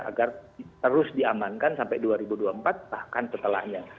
agar terus diamankan sampai dua ribu dua puluh empat bahkan setelahnya